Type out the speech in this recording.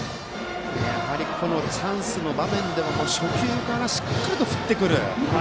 このチャンスの場面でも初球からしっかりと振ってくる。